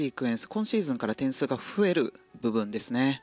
今シーズンから点数が増える部分ですね。